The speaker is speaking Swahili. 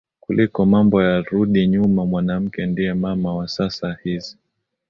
kuliko mambo ya rudi nyuma mwanamke ndiye mama wa saa hizi